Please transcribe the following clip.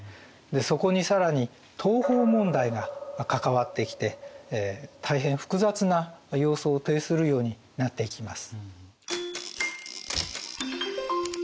そこに更に東方問題が関わってきて大変複雑な様相を呈するようになっていきます。